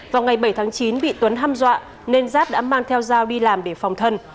vào ngày bảy tháng chín bị tuấn ham dọa nên giáp đã mang theo dao đi làm để phòng thân